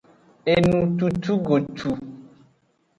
Enucucugotu.